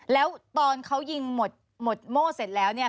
แล้วตอนเขายิงหมดโม่เสร็จแล้วเนี่ย